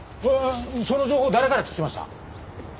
その情報誰から聞きました？